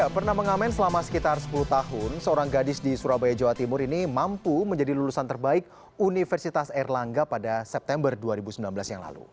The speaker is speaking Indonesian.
pernah mengamen selama sekitar sepuluh tahun seorang gadis di surabaya jawa timur ini mampu menjadi lulusan terbaik universitas erlangga pada september dua ribu sembilan belas yang lalu